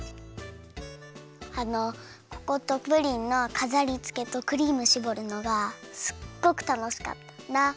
あのココットプリンのかざりつけとクリームしぼるのがすっごくたのしかったんだ。